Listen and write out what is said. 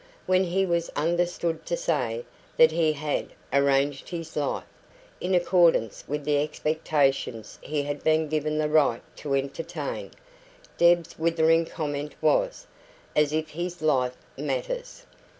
When he was understood to say that he had "arranged his life" in accordance with the expectations he had been given the right to entertain, Deb's withering comment was: "As if HIS life matters!"